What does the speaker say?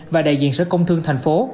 và đại diện sở công thương thành phố